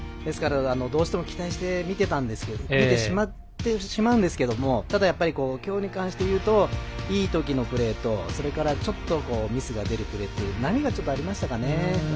どうしても期待して見てしまうんですけどただ、きょうに関して言うといいときのプレーとそれからちょっとミスが出てくる波がありましたかね。